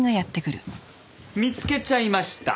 見つけちゃいました。